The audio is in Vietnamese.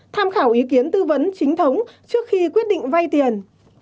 tham khảo ý kiến tư vấn chính thống trước khi quyết định vay tiền